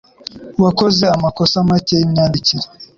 Wakoze amakosa make yimyandikire.